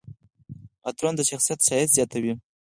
عطرونه د شخصیت ښایست زیاتوي.